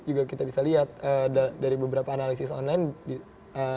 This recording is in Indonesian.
juga kita bisa lihat dari beberapa analisis online